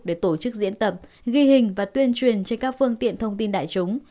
để tổ chức diễn tập ghi hình và tuyên truyền trên các phương tiện thông tin đại chúng